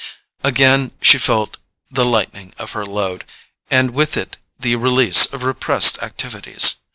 Again she felt the lightening of her load, and with it the release of repressed activities.